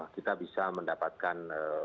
kita bisa mendapatkan